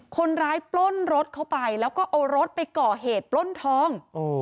คนร้ายปล้นรถเข้าไปแล้วก็เอารถไปก่อเหตุปล้นทอง